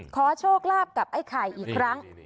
ขอโชคลาภกับไอ้ไข่อีกครั้ง